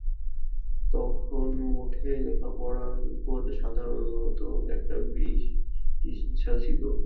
তখন মঠে লেখাপড়ার উপর সাধারণত একটা বিতৃষ্ণা ছিল।